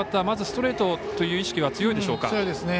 まずストレートという意識は強いでしょうか。